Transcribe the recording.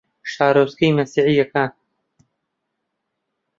شارۆچکەی مەسیحییەکان